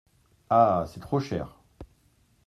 Ah ! c’est trop cher !